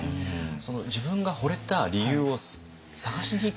その自分がほれた理由を探しにいく？